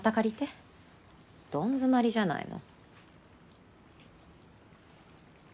どん詰まりじゃないの。